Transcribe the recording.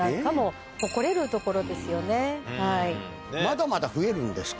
まだまだ増えるんですか？